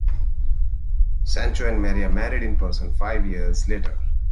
Sancho and Maria married in person five years later.